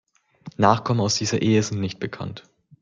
Nachkommen aus dieser Ehe sind nicht bekannt.